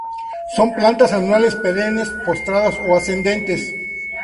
Son plantas anuales o perennes, postradas o ascendentes.